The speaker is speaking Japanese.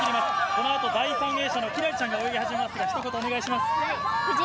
このあと、第３泳者の輝星ちゃんが泳ぎ始めますが、ひと言、お願いします。